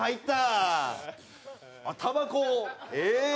たばこ？え？